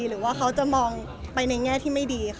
หรือว่าเขาจะมองไปในแง่ที่ไม่ดีค่ะ